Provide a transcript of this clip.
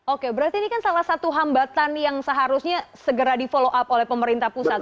oke berarti ini kan salah satu hambatan yang seharusnya segera di follow up oleh pemerintah pusat